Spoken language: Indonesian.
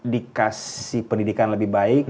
dikasih pendidikan lebih baik